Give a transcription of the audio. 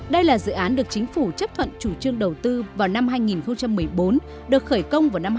đây là dự án được chính phủ chấp thuận chủ trương đầu tư vào năm hai nghìn một mươi bốn được khởi công vào năm hai nghìn một mươi